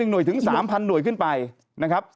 หน่วยถึง๓๐๐หน่วยขึ้นไปนะครับ